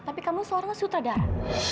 tapi kamu seorang sutradara